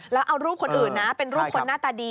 แล้วเอารูปคนอื่นนะเป็นรูปคนหน้าตาดี